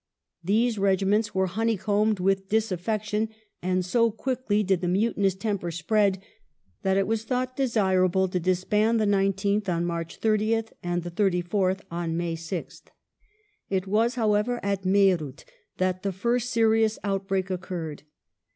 These regiments were honeycombed with disaffection, and so quickly did the mutinous temper spread that it was thought desirable to disband the 19th on March SOth, and the 34th on May 6th. It was, however, at Meerut that the first serious outbreak oc curred.